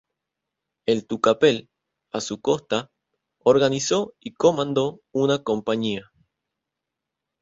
En Tucapel, a su costa, organizó y comandó una compañía.